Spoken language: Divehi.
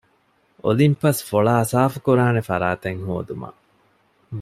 އޮލިމްޕަސް ފޮޅާ ސާފުކުރާނެ ފަރާތެއް ހޯދުމަށް